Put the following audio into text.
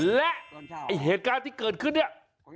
และไอ้เหตุการณ์ที่เกิดขึ้นเนี่ย